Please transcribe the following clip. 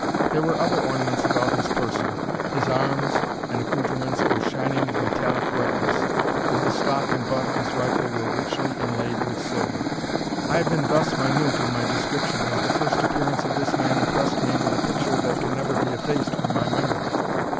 There were other ornaments about his person. His arms and accoutrements were shining with metallic brightness, and the stock and butt of his rifle were richly inlaid with silver. I have been thus minute in my description, as the first appearance of this man impressed me with a picture that can never be effaced from my memory.